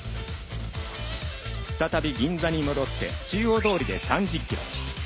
再び銀座に戻って中央通りで３０ｋｍ。